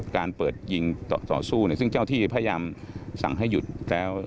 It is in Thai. การเปิดยิงต่อสู้ซึ่งเจ้าที่พยายามสั่งให้หยุดแล้ว